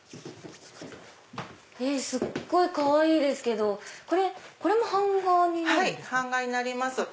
すっごいかわいいですけどこれも版画になるんですか？